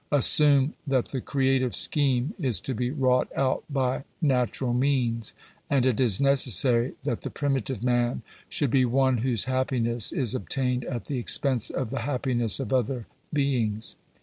. Assume that the creative scheme is to be wrought out by natural means, and it is necessary that the primitive man should be one whose happiness is obtained at the expense of the happiness of other beings.